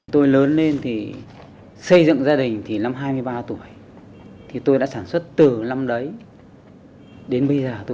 tôi lớn lên thì xây dựng gia đình thì năm hai mươi ba tuổi thì tôi đã sản xuất từ năm đấy đến bây giờ tôi